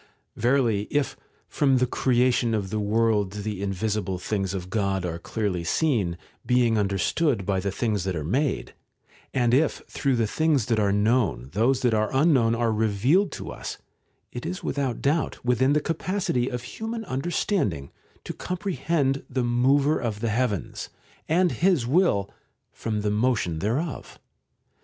§ 8. Verily if ' from the creation of the world the in visible things of God are clearly seen, being understood by the things that are made', and if through the things that are known those that are unknown are revealed to us, it is without doubt within the capacity of human understanding to comprehend the Mover of the heavens, and His will, from the motion thereof.